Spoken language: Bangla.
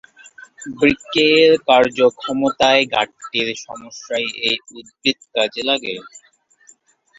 বৃক্কের কার্যক্ষমতায় ঘাটতির সমস্যায় এই উদ্ভিদ কাজে লাগে।